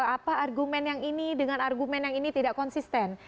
apa argumen yang ini dengan argumen yang ini tidak konsisten